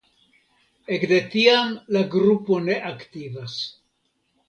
Ekde tiam la grupo ne aktivas.